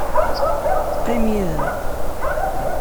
Qqim yid-nneɣ.